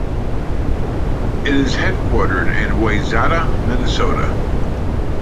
It is headquartered in Wayzata, Minnesota.